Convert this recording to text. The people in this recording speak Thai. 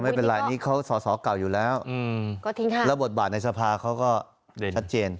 ไม่เป็นไรนี่เขาสอสอเก่าอยู่แล้วก็ทิ้งท้ายแล้วบทบาทในสภาเขาก็ชัดเจน